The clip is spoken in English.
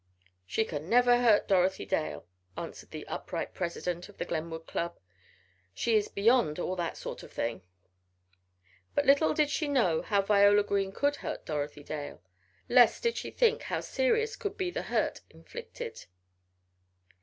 "She can never hurt Dorothy Dale," answered the upright president of the Glenwood Club. "She is beyond all that sort of thing." But little did she know how Viola Green could hurt Dorothy Dale. Less did she think how serious could be the "hurt" inflicted.